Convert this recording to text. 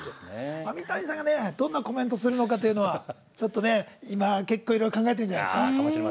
三谷さんが、どんなコメントするのかというのはちょっと今、結構いろいろ考えてるんじゃないですか。